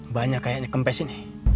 banyak kayaknya kempes ini